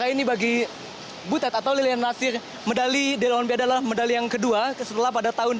ini bagi butet atau lilian nasir medali di launbia adalah medali yang kedua setelah pada tahun dua ribu sembilan